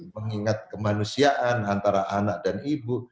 mengingat kemanusiaan antara anak dan ibu